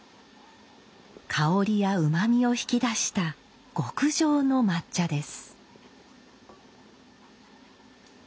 香りやうまみを引き出した極上の抹茶です。